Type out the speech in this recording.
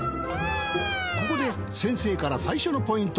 ここで先生から最初のポイント。